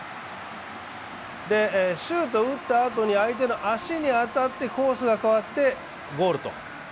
シュート打った後に相手の足に当たってコースが変わってゴールと。